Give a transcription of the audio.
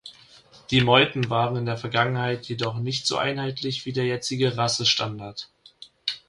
Die Meuten waren in der Vergangenheit jedoch nicht so einheitlich wie der jetzige Rassestandard.